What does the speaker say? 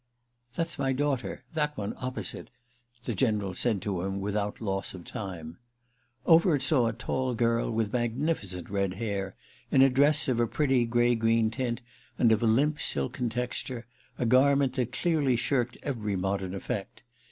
"That's my daughter—that one opposite," the General said to him without lose of time. Overt saw a tall girl, with magnificent red hair, in a dress of a pretty grey green tint and of a limp silken texture, a garment that clearly shirked every modern effect.